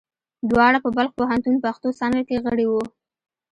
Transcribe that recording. دواړه په بلخ پوهنتون پښتو څانګه کې غړي وو.